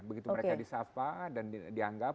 begitu mereka disapa dan dianggap